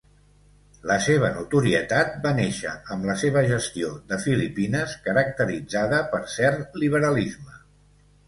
La seva notorietat va néixer amb la seva gestió de Filipines, caracteritzada per cert liberalisme.